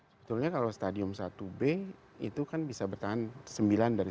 sebetulnya kalau stadium satu b itu kan bisa bertahan sembilan dari satu